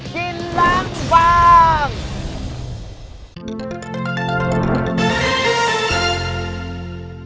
กินล้างบาง